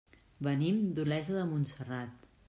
Venim d'Olesa de Montserrat.